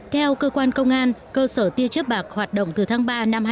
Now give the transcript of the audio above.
theo cơ quan công an cơ sở tia chấp bạc hoạt động từ tháng ba